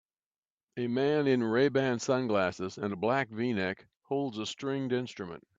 A man in RayBan sunglasses and a black vneck holds a stringed instrument.